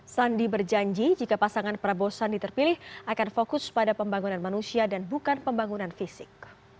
sandi berjanji jika pasangan prabowo sandi terpilih akan fokus pada pembangunan manusia dan bukan pembangunan fisik